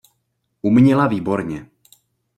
Uměla výborně.